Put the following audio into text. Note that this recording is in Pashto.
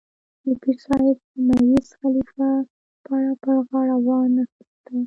د پیر صاحب سیمه ییز خلیفه پړه پر غاړه وانه اخیسته.